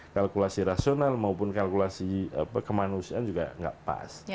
kalkulasi rasional maupun kalkulasi kemanusiaan juga nggak pas